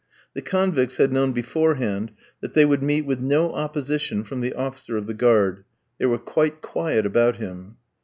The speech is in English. The convicts had known beforehand that they would meet with no opposition from the officer of the guard. They were quite quiet about him.